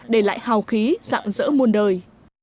để lại hào khí dạng dỡ muôn đời